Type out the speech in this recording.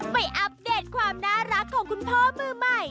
อัปเดตความน่ารักของคุณพ่อมือใหม่